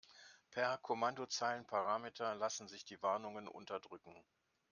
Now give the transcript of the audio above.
Per Kommandozeilenparameter lassen sich die Warnungen unterdrücken.